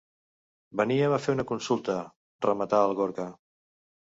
Veníem a fer una consulta —rematà el Gorka.